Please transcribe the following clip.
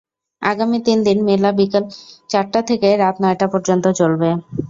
আগামী তিন দিন মেলা বিকেল চারটা থেকে রাত নয়টা পর্যন্ত চলবে।